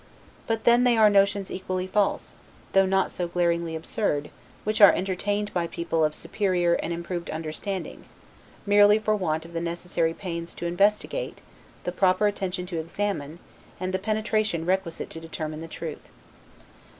But then they are notions equally false, though not so glaringly absurd, which are entertained by people of superior and improved understandings, merely for want of the necessary pains to investigate, the proper attention to examine, and the penetration requisite to determine the truth.